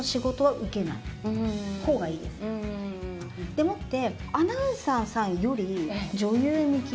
でもって。